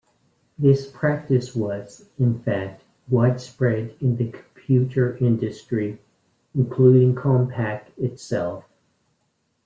This practice was, in fact, widespread in the computer industry, including Compaq itself.